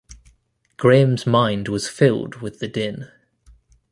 Graham’s mind was filled with the din.